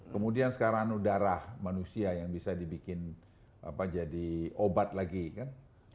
kemudian sekarang darah manusia yang bisa dibikin jadi obat lagi kan